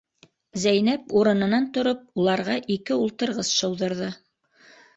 Зәйнәп урынынан тороп, уларға ике ултырғыс шыуҙырҙы.